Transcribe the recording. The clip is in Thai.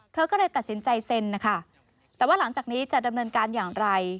เธอก็เลยตัดสินใจเซ็นนะคะแต่ว่าหลังจากนี้จะดำเนินการอย่างไร